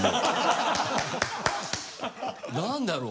何だろう？